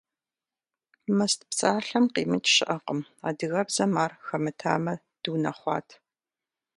«Мыст» псалъэм къимыкӏ щыӏэкъым. Адыгэбзэм ар хэмытамэ дыунэхъуат.